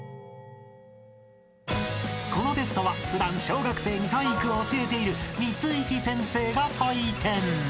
［このテストは普段小学生に体育を教えている三石先生が採点］